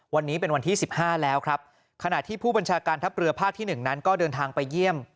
วันนี้เป็นวันที่สิบห้าแล้วครับขณะที่ผู้บัญชาการทัพเรือภาคที่หนึ่งนั้นก็เดินทางไปเยี่ยม